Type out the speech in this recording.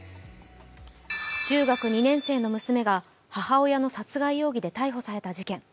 中学２年生の娘が母親の殺害容疑で逮捕された事件。